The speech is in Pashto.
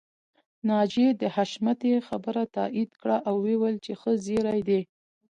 ناجيې د حشمتي خبره تاييد کړه او وويل چې ښه زيری دی